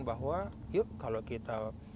bahwa yuk kalau kita